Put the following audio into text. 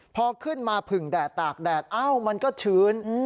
พอขึ้นมาผึ่งแดดตากแดดเอ้ามันก็ชื้น